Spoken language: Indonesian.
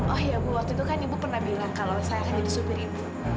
oh iya bu waktu itu kan ibu pernah bilang kalau saya akan jadi sopir itu